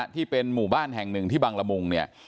ที่เป็นหมู่บ้านแห่งหนึ่งที่บังละมุงเนี่ย